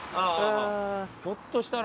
ひょっとしたら。